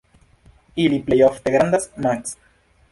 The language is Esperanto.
Ili plej ofte grandas maks.